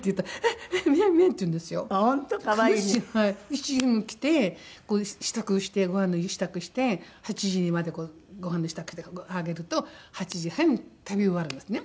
７時に起きて支度してごはんの支度して８時までごはんの支度してあげると８時半に食べ終わるんですね。